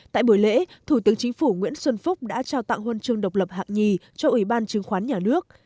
tại buổi lễ thủ tướng chính phủ nguyễn xuân phúc đã trao tặng huân chương độc lập hạng nhì cho ủy ban chứng khoán nhà nước